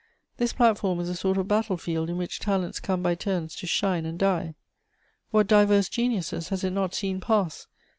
This platform is a sort of battle field in which talents come by turns to shine and die. What diverse geniuses has it not seen pass!